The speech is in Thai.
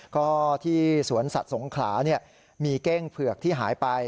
ก็ที่สวนสัตว์สงขลามีเก้งเผือกที่หายไป